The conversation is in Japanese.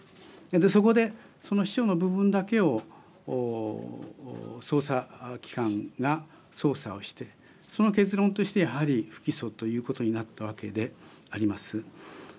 そこで、その秘書の部分だけを捜査機関が捜査をしてその結論として、やはり不起訴ということになったわけであります。